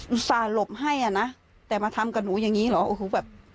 ต่าหลบให้อ่ะนะแต่มาทำกับหนูอย่างนี้เหรอโอ้โหแบบ